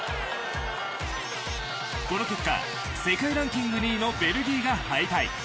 この結果、世界ランキング２位のベルギーが敗退。